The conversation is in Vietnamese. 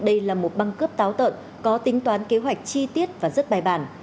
đây là một băng cướp táo tợn có tính toán kế hoạch chi tiết và rất bài bản